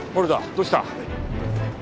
どうした？